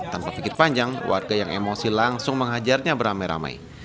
tanpa pikir panjang warga yang emosi langsung menghajarnya beramai ramai